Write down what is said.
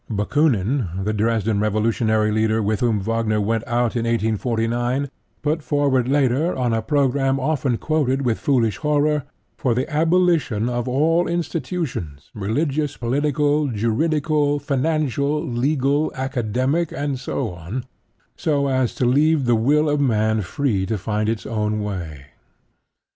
Bakoonin, the Dresden revolutionary leader with whom Wagner went out in 1849, put forward later on a program, often quoted with foolish horror, for the abolition of all institutions, religious, political, juridical, financial, legal, academic, and so on, so as to leave the will of man free to find its own way.